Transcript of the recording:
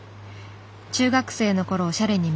中学生の頃おしゃれに目覚め